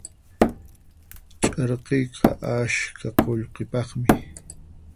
Ch'arkiyqa askha qullqipaqmi.